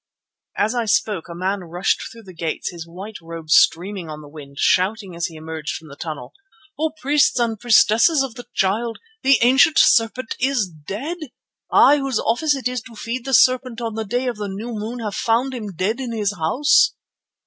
As I spoke a man rushed through the gates, his white robe streaming on the wind, shouting as he emerged from the tunnel: "O Priests and Priestesses of the Child, the ancient serpent is dead. I whose office it is to feed the serpent on the day of the new moon have found him dead in his house."